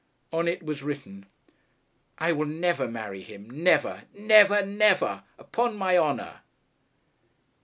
On it was written, 'I will never marry him, never never never; upon my honour!'